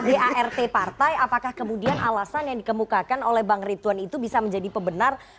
adart partai apakah kemudian alasan yang dikemukakan oleh bang ritwan itu bisa menjadi pembenar